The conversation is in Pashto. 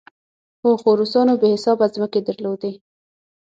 هو، خو روسانو بې حسابه ځمکې درلودې.